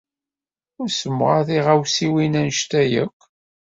Ur ssemɣar tiɣawsiwin anect-a akk.